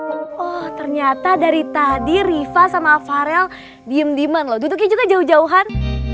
oh ternyata dari tadi riva sama farel diem diem loh duduknya juga jauh jauhan